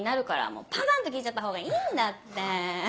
もうパンパン！と聞いちゃった方がいいんだって！